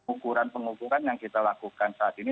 ukuran pengukuran yang kita lakukan saat ini